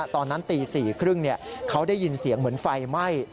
ตอนนั้นตี๔๓๐เขาได้ยินเสียงเหมือนไฟไหม้